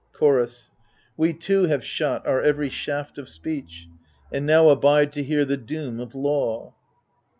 Chorus We too have shot our every shaft of speech, And now abide to hear the doom of law.